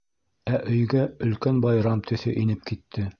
Ә өйгә өлкән байрам төҫө инеп китте.